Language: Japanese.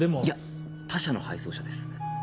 いや他社の配送車です。